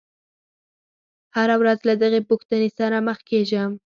هره ورځ له دغې پوښتنې سره مخ کېږم.